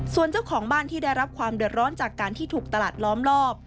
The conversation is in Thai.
ส่วนเจ้าของบ้านที่ได้รับความเดือดร้อนจากการที่ถูกตลาดล้อมรอบ